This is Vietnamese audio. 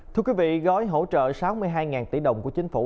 thưa quý vị gói hỗ trợ sáu mươi hai tỷ đồng của chính phủ